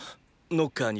ノッカーは。